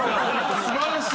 素晴らしい。